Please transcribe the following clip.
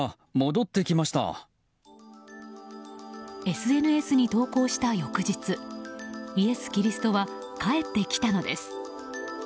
ＳＮＳに投稿した翌日イエス・キリストは帰ってきたのです。